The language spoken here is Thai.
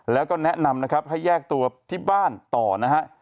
แล้วก็แนะนำนะครับให้แยกตัวที่บ้านต่อนะฮะ